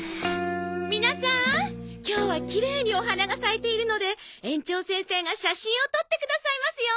皆さーん今日はきれいにお花が咲いているので園長先生が写真を撮ってくださいますよ。